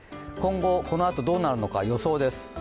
このあとどうなるのか予想です。